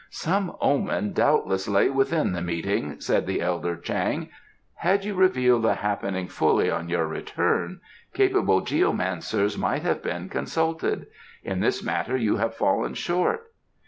"Some omen doubtless lay within the meeting," said the elder Chang. "Had you but revealed the happening fully on your return, capable geomancers might have been consulted. In this matter you have fallen short."